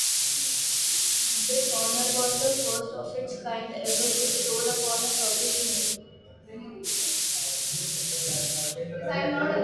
This honor was the first of its kind ever bestowed upon a Turkish movie.